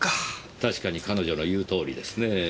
確かに彼女の言うとおりですねぇ。